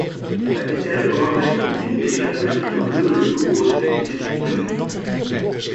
Het is erg belangrijk om in deze uiterst nauwkeurige bewoordingen te kiezen.